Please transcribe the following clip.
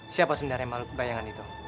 siapa sebenarnya maluk bayangan itu